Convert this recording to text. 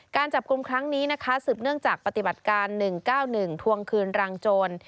การจับกลุ่มครั้งนี้นะคะสืบเนื่องจากปฏิบัติการ๑๙๑ทวงคืนรางโจร